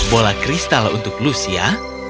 bola kristal untuk lucia